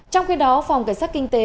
trong khi đó phòng cảnh sát kinh tế